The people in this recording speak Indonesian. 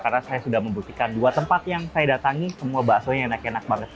karena saya sudah membuktikan dua tempat yang saya datangi semua bakso nya enak enak banget